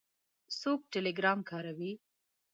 څوک ټیلیګرام کاروي؟